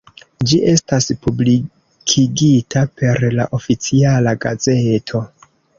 Ĝi estas publikigita per la Oficiala Gazeto.